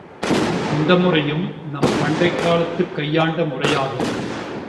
இந்த முறையும் நம் பண்டைக் காலத்துக் கையாண்ட முறையாகும்.